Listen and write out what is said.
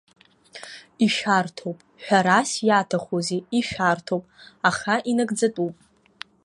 Ишәарҭоуп, ҳәарас иаҭахузеи, ишәарҭоуп, аха инагӡатәуп.